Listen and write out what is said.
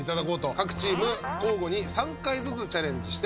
各チーム交互に３回ずつチャレンジして。